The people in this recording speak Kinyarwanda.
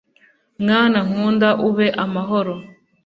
mwana nkunda ube amahoro